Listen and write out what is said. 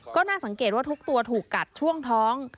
ก็น่าสังเกตว่าทุกตัวถูกกัดช่วงท้อง